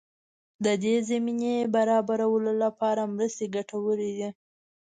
د دې زمینې برابرولو لپاره مرستې ګټورې دي.